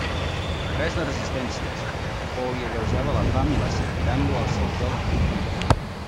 Res de resistències, o li alleujava la fam i la set tirant-lo al sequiol d'un puntelló.